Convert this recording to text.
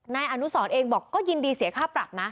นายอนุสรเองบอกก็ยินดีเสียค่าปรับนะ